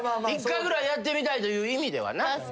１回ぐらいやってみたいという意味ではな。